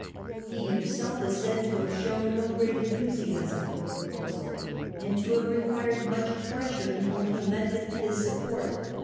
He himself is said to have shown no great enthusiasm for the pro posal, and to have required much pressure before he lent it his support.